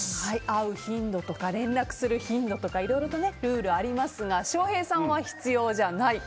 会う頻度とか連絡する頻度とかいろいろとルールがありますが翔平さんは必要じゃない。